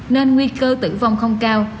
nên nguy cơ tử vong không cao